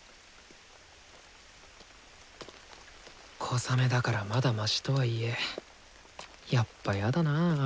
小雨だからまだマシとはいえやっぱやだなぁ雨。